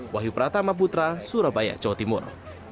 wahyu pratama putra surabaya jawa timur